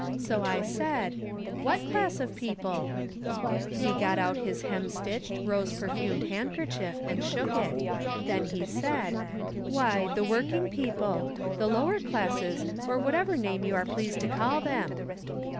So I said :" What class of people ?" He got out his hem stitched, rose perfumed handkerchief, and shook it. Then he said :" Why, the working people ; the lower classes, or whatever name you are pleased to call them."